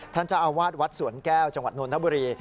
ท่านเจ้าอาวาสวัดสวนแก้วจังหวัดนทบุรี